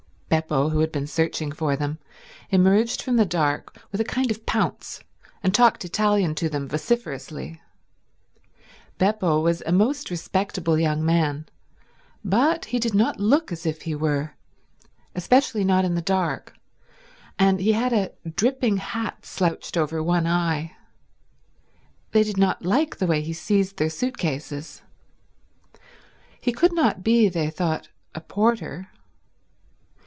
Beppo, who had been searching for them, emerged from the dark with a kind of pounce and talked Italian to them vociferously. Beppo was a most respectable young man, but he did not look as if he were, especially not in the dark, and he had a dripping hat slouched over one eye. They did not like the way he seized their suit cases. He could not be, they thought, a porter.